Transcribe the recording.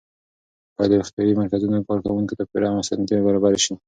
باید د روغتیایي مرکزونو کارکوونکو ته پوره اسانتیاوې برابرې شي.